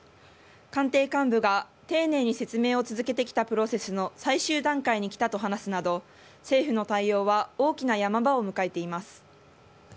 官邸幹部が、丁寧に説明を続けてきたプロセスの最終段階にきたと話すなど、政府の対応は大きなヤマ場を迎えています。